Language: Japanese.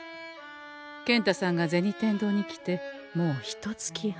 健太さんが銭天堂に来てもうひとつき半。